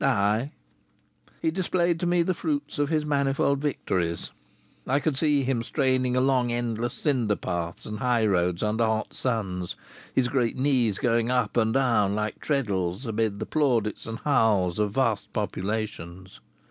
"Ay!" He displayed to me the fruits of his manifold victories. I could see him straining along endless cinder paths and highroads under hot suns, his great knees going up and down like treadles amid the plaudits and howls of vast populations.